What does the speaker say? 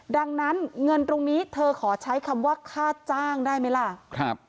ดังนั้นเงินตรงนี้เธอขอใช้คำว่าค่าจ้างได้ไหมล่ะ